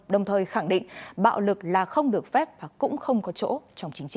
đồng thời khẳng định bạo lực là không được phép và cũng không có chỗ trong chính trị